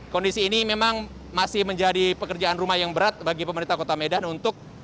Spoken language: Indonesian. kondisi ini memang masih menjadi pekerjaan rumah yang berat bagi pemerintah kota medan untuk